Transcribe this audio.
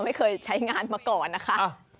ไม่เคยใช้งานมาก่อนนะคะ